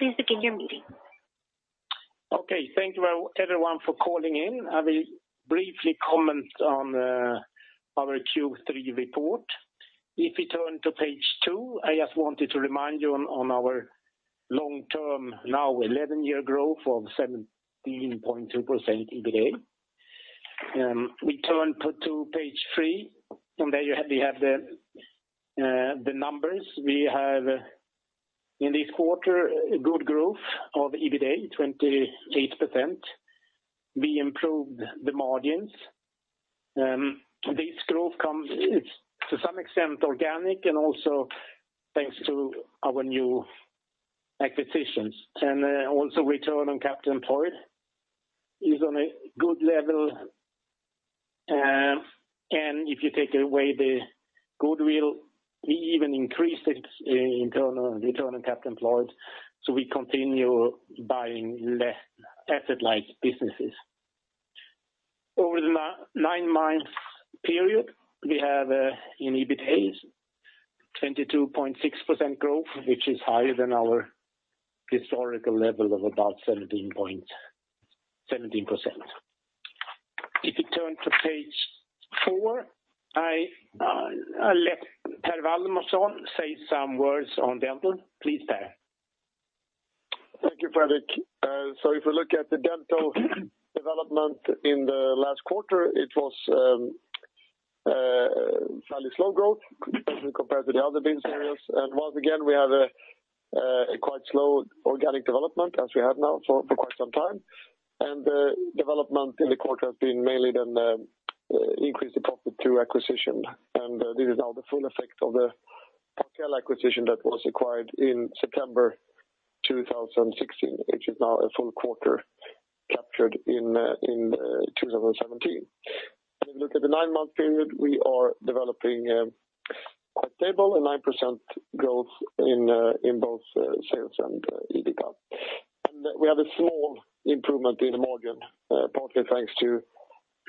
Please begin your meeting. Okay. Thank you everyone for calling in. I will briefly comment on our Q3 report. If you turn to page two, I just wanted to remind you on our long-term, now 11-year growth of 17.2% EBITDA. We turn to page three. There you have the numbers. We have in this quarter, good growth of EBITDA, 28%. We improved the margins. This growth comes, it's to some extent organic and also thanks to our new acquisitions. Also return on capital employed is on a good level. If you take away the goodwill, we even increased it, return on capital employed. We continue buying less asset-light businesses. Over the nine months period, we have in EBITA, 22.6% growth, which is higher than our historical level of about 17%. If you turn to page four, I let Per Waldemarson say some words on Dental. Please, Per. Thank you, Fredrik. If we look at the Dental development in the last quarter, it was fairly slow growth compared to the other business areas. Once again, we have a quite slow organic development as we have now for quite some time. The development in the quarter has been mainly then increased profit through acquisition. This is now the full effect of the Parkell acquisition that was acquired in September 2016, which is now a full quarter captured in 2017. If you look at the nine-month period, we are developing quite stable, a 9% growth in both sales and EBITDA. We have a small improvement in the margin, partly thanks to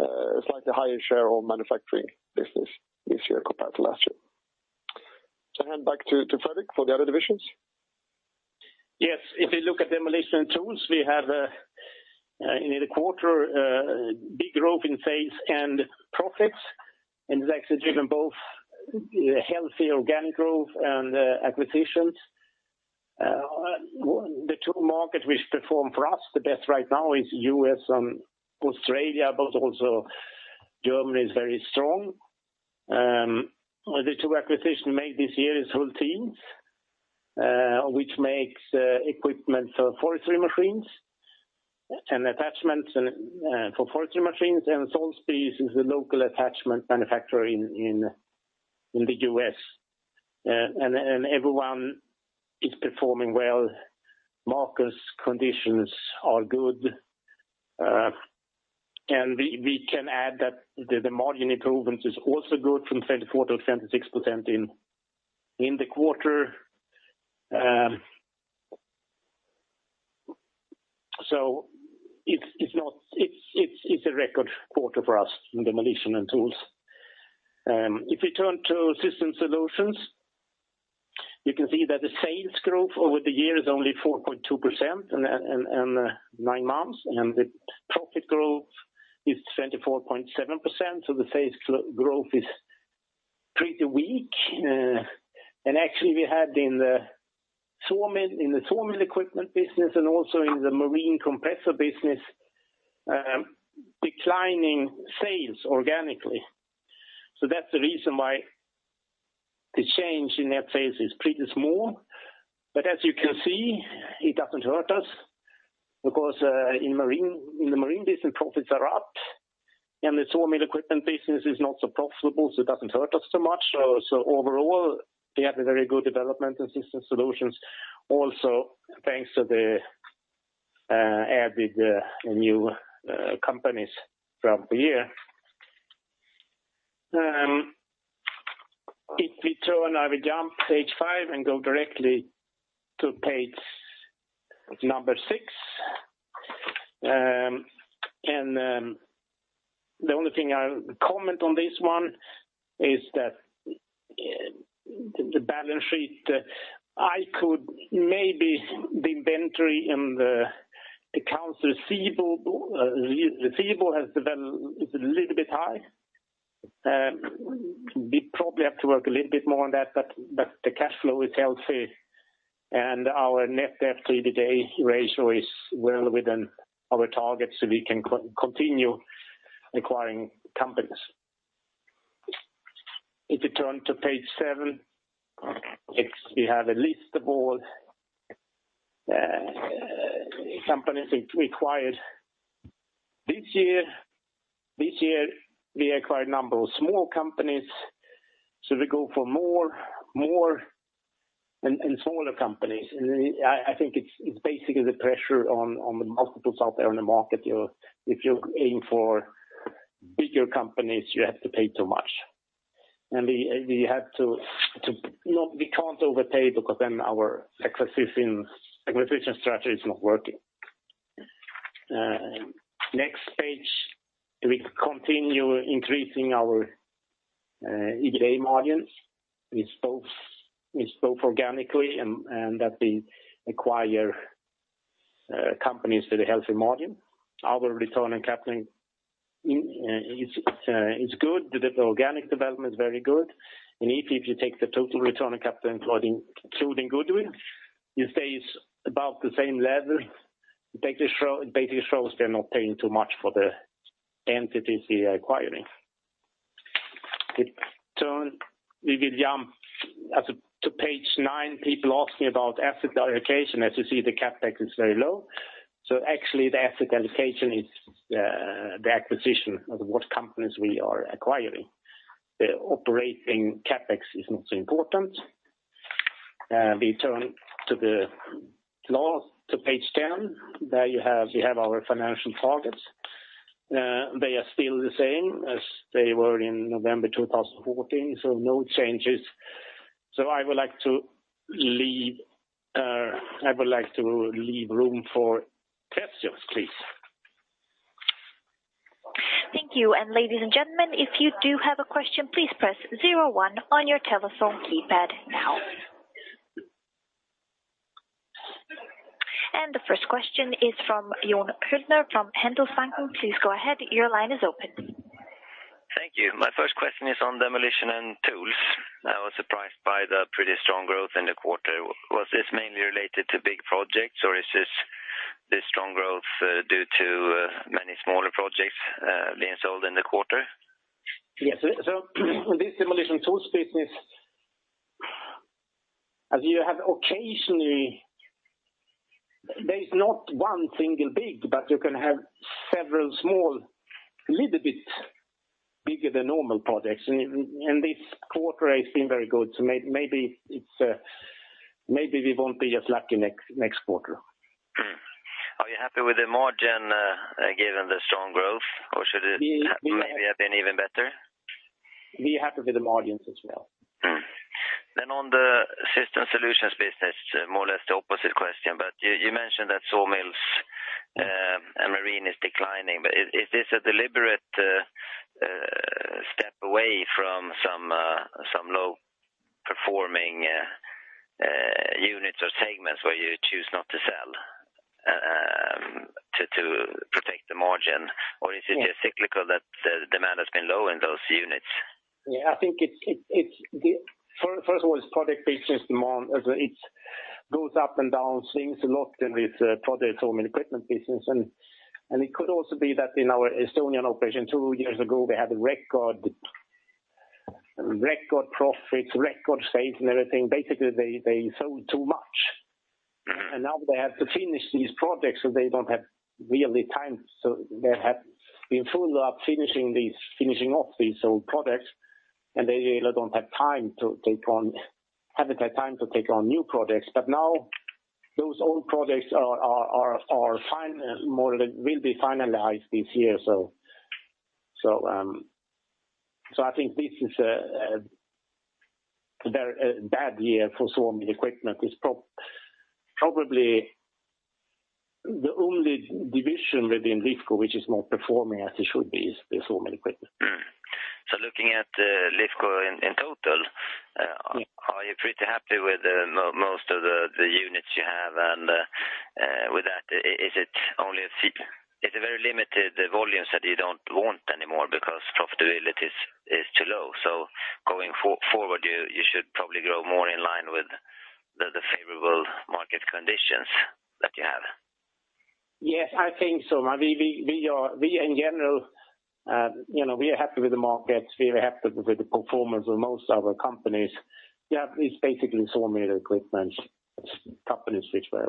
a slightly higher share of manufacturing business this year compared to last year. I hand back to Fredrik for the other divisions. Yes. If you look at Demolition Tools, we have in the quarter a big growth in sales and profits. It's actually driven both healthy organic growth and acquisitions. The two markets which perform for us the best right now is U.S. and Australia. Also Germany is very strong. The two acquisitions made this year is Hultdins which makes equipment for forestry machines and attachments for forestry machines. Solesbee's is a local attachment manufacturer in the U.S. Everyone is performing well. Markets conditions are good. We can add that the margin improvement is also good from 24%-26% in the quarter. It's a record quarter for us in Demolition & Tools. If we turn to Systems Solutions, you can see that the sales growth over the year is only 4.2% in nine months, and the profit growth is 24.7%, so the sales growth is pretty weak. Actually, we had in the sawmill equipment business and also in the marine compressor business, declining sales organically. That's the reason why the change in that sales is pretty small. As you can see, it doesn't hurt us because in the marine business, profits are up, and the sawmill equipment business is not so profitable, it doesn't hurt us so much. Overall, we had a very good development in Systems Solutions also thanks to the added new companies throughout the year. If we turn, I will jump page five and go directly to page number six. The only thing I'll comment on this one is that the balance sheet, I could maybe the inventory and the accounts receivable is a little bit high. We probably have to work a little bit more on that, but the cash flow is healthy, and our net debt to EBITDA ratio is well within our target, so we can continue acquiring companies. If you turn to page seven, we have a list of all companies we acquired this year. This year, we acquired a number of small companies, we go for more and smaller companies. I think it's basically the pressure on the multiples out there on the market. If you aim for bigger companies, you have to pay too much. We can't overpay because then our acquisition strategy is not working. Next page, we continue increasing our EBITA margins, both organically and that we acquire companies with a healthy margin. Our return on capital is good. The organic development is very good. If you take the total return on capital including goodwill, you stay above the same level. It basically shows we're not paying too much for the entities we are acquiring. We will jump to page nine. People ask me about asset allocation. As you see, the CapEx is very low. Actually the asset allocation is the acquisition of what companies we are acquiring. The operating CapEx is not important. We turn to page 10. There you have our financial targets. They are still the same as they were in November 2014, no changes. I would like to leave room for questions, please. Thank you. Ladies and gentlemen, if you do have a question, please press 01 on your telephone keypad now. The first question is from Jon Högner from Handelsbanken. Please go ahead, your line is open. Thank you. My first question is on Demolition & Tools. I was surprised by the pretty strong growth in the quarter. Was this mainly related to big projects, or is this strong growth due to many smaller projects being sold in the quarter? Yes. This Demolition & Tools business, occasionally, there is not one single big, but you can have several small, little bit bigger than normal projects. This quarter has been very good, so maybe we won't be as lucky next quarter. Are you happy with the margin given the strong growth? Should it maybe have been even better? We are happy with the margins as well. On the Systems Solutions business, more or less the opposite question. You mentioned that sawmills and marine is declining. Is this a deliberate step away from some low-performing units or segments where you choose not to sell to protect the margin? Is it just cyclical that the demand has been low in those units? Yeah, I think, first of all, it's project business, it goes up and down, swings a lot with project sawmill equipment business. It could also be that in our Estonian operation two years ago, they had record profits, record sales and everything. Basically, they sold too much, and now they have to finish these projects, so they don't have really time. They have been full up finishing off these old projects, and they really haven't had time to take on new projects. Now those old projects will be finalized this year. I think this is a bad year for sawmill equipment. Probably the only division within Lifco which is not performing as it should be is the sawmill equipment. Looking at Lifco in total, are you pretty happy with most of the units you have, and with that, is it very limited volumes that you don't want anymore because profitability is too low? Going forward, you should probably grow more in line with the favorable market conditions that you have. Yes, I think so. We in general are happy with the markets. We are happy with the performance of most of our companies. Yeah, it's basically sawmill equipment companies which are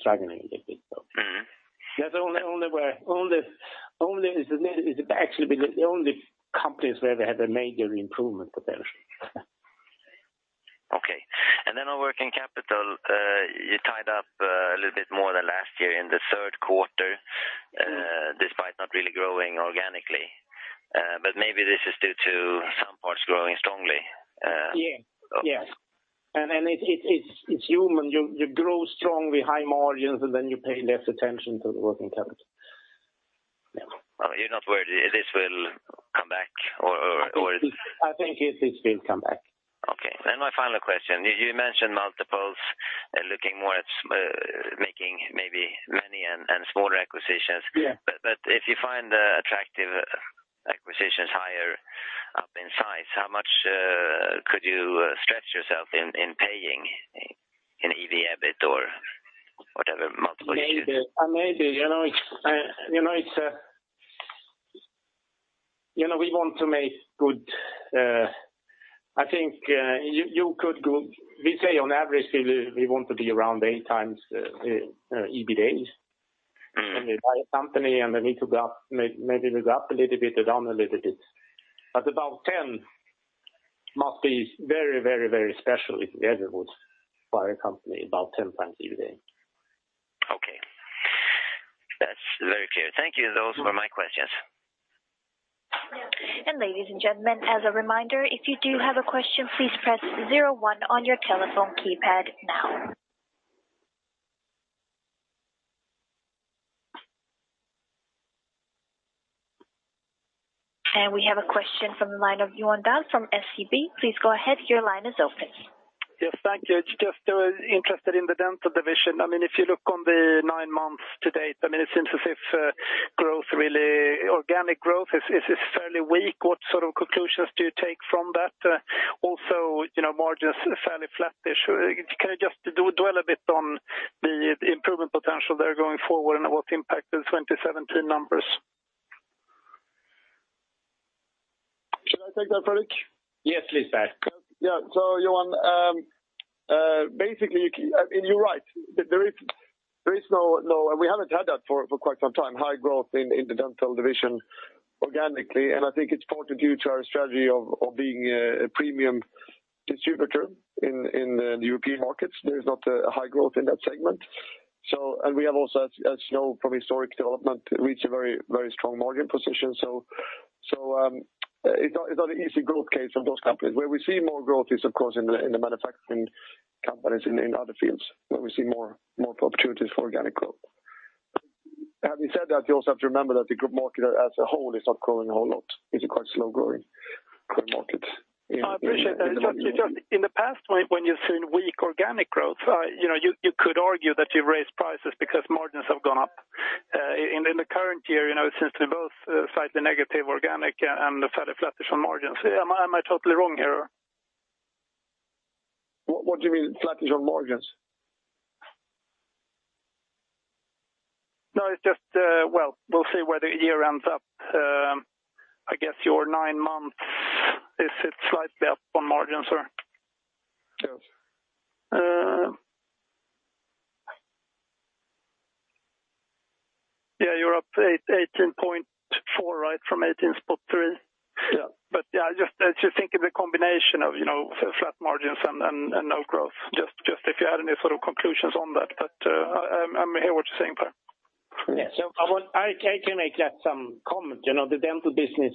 struggling a little bit. Actually, the only companies where they had a major improvement potential. Okay. Then on working capital, you tied up a little bit more than last year in the third quarter, despite not really growing organically. Maybe this is due to some parts growing strongly. Yes. It's human. You grow strong with high margins, then you pay less attention to the working capital. You're not worried this will come back? I think, yes, this will come back. Okay. My final question, you mentioned multiples, looking more at making maybe many and smaller acquisitions. Yeah. If you find attractive acquisitions higher up in size, how much could you stretch yourself in paying in EBITDA or whatever multiple you use? Maybe. We say on average, we want to be around eight times EBITA. When we buy a company, maybe we go up a little bit or down a little bit. About 10 must be very special if we ever would buy a company about 10 times EBITA. Okay. That's very clear. Thank you. Those were my questions. Ladies and gentlemen, as a reminder, if you do have a question, please press 01 on your telephone keypad now. We have a question from the line of Johan Dahl from SEB. Please go ahead. Your line is open. Yes. Thank you. It's just, interested in the Dental division. If you look on the nine months to date, it seems as if organic growth is fairly weak. What sort of conclusions do you take from that? Also, margins are fairly flat-ish. Can you just dwell a bit on the improvement potential there going forward, what impact the 2017 numbers? Should I take that, Fredrik? Yes, please, Per. Yeah. Johan, basically, you're right. We haven't had that for quite some time, high growth in the Dental division organically, and I think it's partly due to our strategy of being a premium distributor in the European markets. There's not a high growth in that segment. We have also, as you know, from historic development, reached a very strong margin position. It's not an easy growth case for those companies. Where we see more growth is, of course, in the manufacturing companies in other fields, where we see more opportunities for organic growth. Having said that, you also have to remember that the group market as a whole is not growing a whole lot. It's a quite slow-growing group market. I appreciate that. Just, in the past when you've seen weak organic growth, you could argue that you've raised prices because margins have gone up. In the current year, since they're both slightly negative organic and fairly flat-ish on margins. Am I totally wrong here? What do you mean flat-ish on margins? No, it's just, well, we'll see where the year ends up. I guess your nine months, is it slightly up on margins, or? Yes. Yeah, you're up 18.4%, right? From 18.3%. Yeah. Yeah, I just think of the combination of flat margins and no growth. Just if you had any sort of conclusions on that, I hear what you're saying, Per. Yes. I can make that some comment. The Dental business,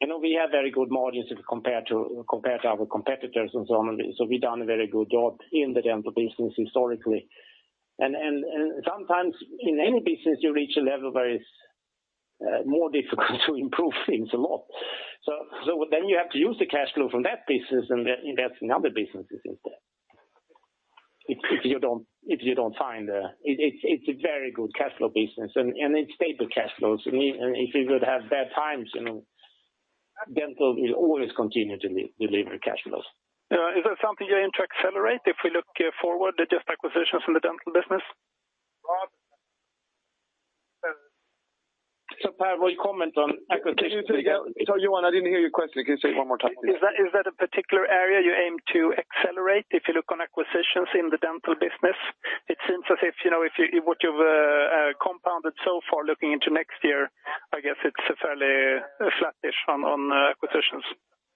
we have very good margins compared to our competitors and so on. We've done a very good job in the Dental business historically. Sometimes in any business, you reach a level where it's more difficult to improve things a lot. You have to use the cash flow from that business and invest in other businesses instead. If you don't find It's a very good cash flow business and it's stable cash flows, and if we would have bad times, Dental will always continue to deliver cash flows. Is that something you aim to accelerate if we look forward at just acquisitions in the Dental business? Per, will you comment on acquisitions? Johan, I didn't hear your question. Can you say it one more time? Is that a particular area you aim to accelerate if you look on acquisitions in the Dental business? It seems as if what you've compounded so far looking into next year, I guess it's fairly flat-ish on acquisitions.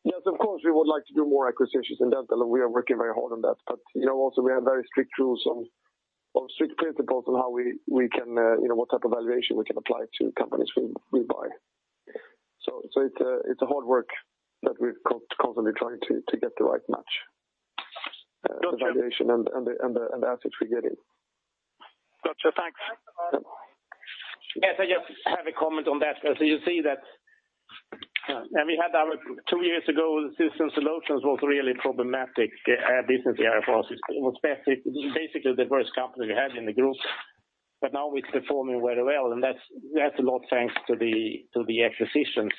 Yes, of course, we would like to do more acquisitions in Dental, we are working very hard on that. Also we have very strict rules and strict principles on what type of valuation we can apply to companies we buy. It's hard work that we're constantly trying to get the right match, the valuation and the assets we're getting. Got you. Thanks. Yes, I just have a comment on that. You see that two years ago, Systems Solutions was really problematic business area for us. It was basically the worst company we had in the group. Now it's performing very well, that's a lot thanks to the acquisitions.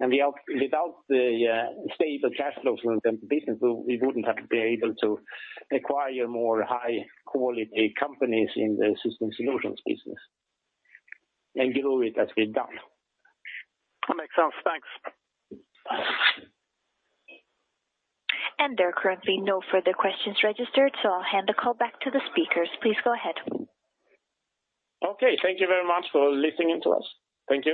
Without the stable cash flows from the Dental business, we wouldn't have been able to acquire more high-quality companies in the Systems Solutions business and grow it as we've done. That makes sense. Thanks. There are currently no further questions registered, so I'll hand the call back to the speakers. Please go ahead. Okay. Thank you very much for listening in to us. Thank you.